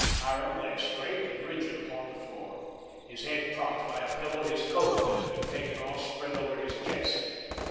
Harran lay straight and rigid upon the floor, his head propped by a pillow, his coat that had been taken off spread over his chest.